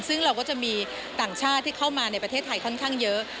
ซึ่งเราก็จะมีต่างชาติที่เข้ามาในประเทศไทยค่อนข้างเยอะ